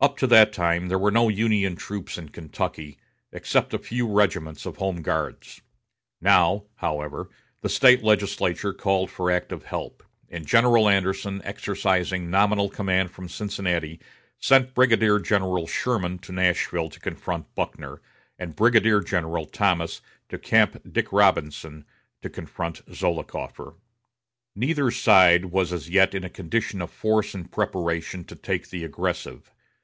Up to that time there were no Union troops in Kentucky, except a few regiments of Home Guards. Now, however, the State legislature called for active help; and General Anderson, exercising nominal command from Cincinnati, sent Brigadier General Sherman to Nashville to confront Buckner, and Brigadier General Thomas to Camp Dick Robinson, to confront Zollicoffer. Neither side was as yet in a condition of force and preparation to take the aggressive.